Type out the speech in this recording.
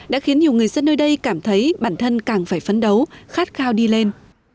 đã khiến nhiều người dân nơi đây cảm thấy bản thân càng phải phấn đấu khát khao đi lên